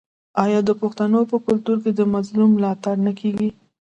آیا د پښتنو په کلتور کې د مظلوم ملاتړ نه کیږي؟